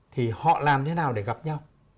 thì họ làm thế nào để gặp nhau